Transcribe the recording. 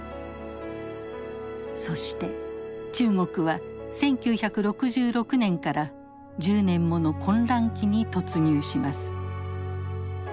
そして中国は１９６６年から１０年もの混乱期に突入します。